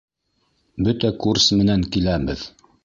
Бөтә курс менән киләбеҙ.